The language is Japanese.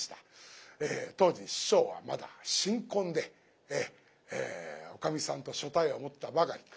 当時師匠はまだ新婚でおかみさんと所帯を持ったばかり。